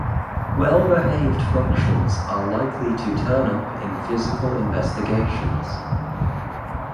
Well-behaved functions are likely to turn up in physical investigations.